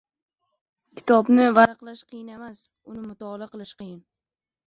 Kitobni varaqlash qiyin emas, uni mutolaa qilish qiyin.